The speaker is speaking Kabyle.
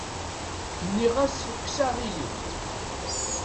Nniɣ-as kkes aɣilif.